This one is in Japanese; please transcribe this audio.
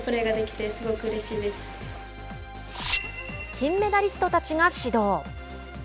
金メダリストたちが指導。